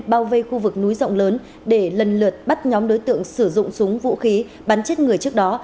bao vây khu vực núi rộng lớn để lần lượt bắt nhóm đối tượng sử dụng súng vũ khí bắn chết người trước đó